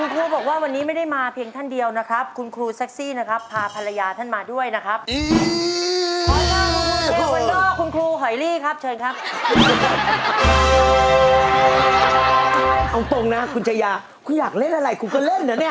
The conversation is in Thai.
ก็โทรแล้วทีแล้วคุณเวนโดร์คุณครูหอยลีครับเชิญครับเอาตรงนะคุณชายาคุณอยากเล่นอะไรคุณก็เล่นนะเนี่ย